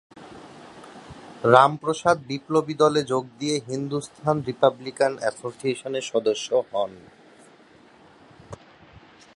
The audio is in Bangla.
রামপ্রসাদ বিপ্লবী দলে যোগ দিয়ে হিন্দুস্তান রিপাবলিকান এসোসিয়েশনের সদস্য হন।